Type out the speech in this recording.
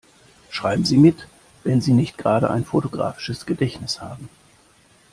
Schreiben Sie mit, wenn Sie nicht gerade ein fotografisches Gedächtnis haben.